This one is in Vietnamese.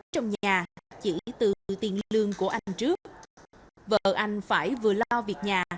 trong nhà chỉ từ tiền lương của anh trước vợ anh phải vừa lo việc nhà